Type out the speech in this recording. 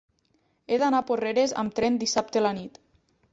He d'anar a Porreres amb tren dissabte a la nit.